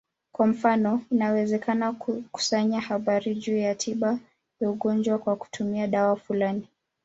Kwa mfano, inawezekana kukusanya habari juu ya tiba ya ugonjwa kwa kutumia dawa fulani.